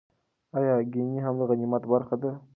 ایا ګېڼي هم د غنیمت برخه دي؟